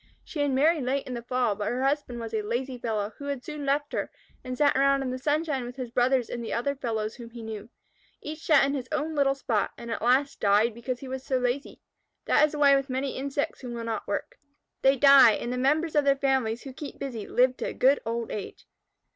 She had married late in the fall, but her husband was a lazy fellow who had soon left her, and sat around in the sunshine with his brothers and the other fellows whom he knew. Each sat in his own little spot, and at last died because he was so lazy. That is the way with many insects who will not work. They die, and the members of their families who keep busy live to a good old age.